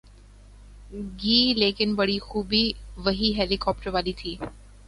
گی‘ لیکن بڑی خوبی وہی ہیلی کاپٹر والی تھی۔